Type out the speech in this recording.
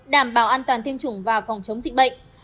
đảm bảo an toàn tiêm chủng và phòng chống dịch bệnh